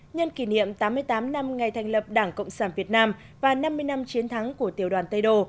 nhân kỷ niệm tám mươi tám năm ngày thành lập đảng cộng sản việt nam và năm mươi năm chiến thắng của tiểu đoàn tây đô